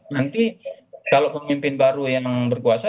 nanti kalau pemimpin baru yang berkuasa